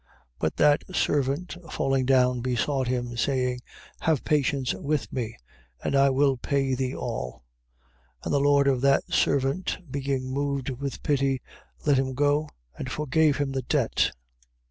But that servant falling down, besought him, saying: Have patience with me, and I will pay thee all. 18:27. And the lord of that servant being moved with pity, let him go and forgave him the debt. 18:28.